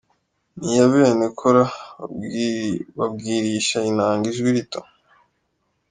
Ni iya bene Kōra babwirisha inanga ijwi rito.